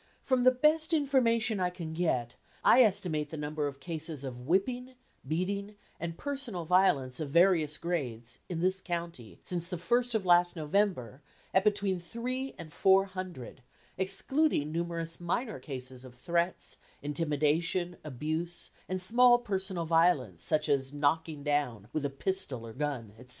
1465) "From the best information I can get, I estimate the number of cases of whipping, beating, and personal violence of various grades, in this county, since the first of last November, at between three and four hundred, excluding numerous minor cases of threats, intimidation, abuse, and small personal violence, as knocking down with a pistol or gun, etc.